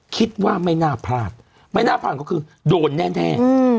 คิดว่าไม่น่าพลาดไม่น่าพลาดก็คือโดนแน่